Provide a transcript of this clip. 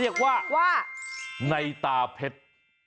หรออ๋อควายตาเพชร